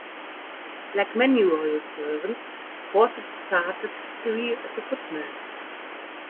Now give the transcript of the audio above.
Like many Royal servants, Fawcett started his career as a footman.